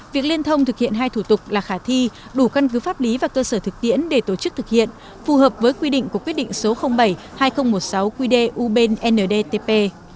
việc liên thông thực hiện hai thủ tục là khả thi đủ căn cứ pháp lý và cơ sở thực tiễn để tổ chức thực hiện phù hợp với quy định của quyết định số bảy hai nghìn một mươi sáu qd ubndtp